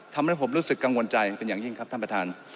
ทำให้ผมรู้สึกกังวลใจเป็นอย่างยิ่งครับท่านประธาน